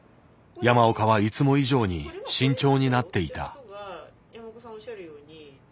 山岡はいつも以上に慎重になっていた。